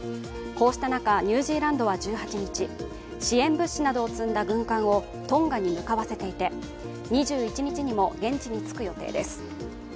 こうした中、ニュージーランドは１８日、支援物資などを積んだ軍艦をトンガに向かわせていて、２１日にも現地に着く予定です。